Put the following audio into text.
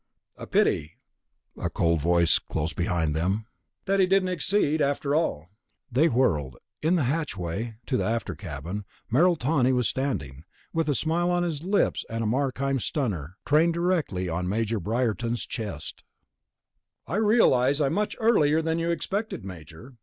"A pity," a cold voice said close behind them, "that he didn't succeed, after all." They whirled. In the hatchway to the after cabin, Merrill Tawney was standing, with a smile on his lips and a Markheim stunner trained directly on Major Briarton's chest. 15. The Final Move "I realize I'm much earlier than you expected, Major.